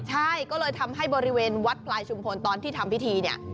ใช่ก็เลยทำให้บริเวณวัดพลายชุมพลตอนที่ทำพิธีเนี่ย